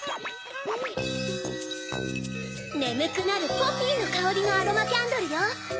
ねむくなるポピーのかおりのアロマキャンドルよ。